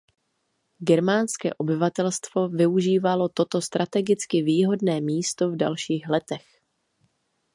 Germánské obyvatelstvo využívalo toto strategicky výhodné místo v dalších letech.